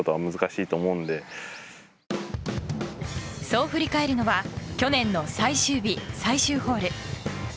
そう振り返るのは去年の最終日最終ホール。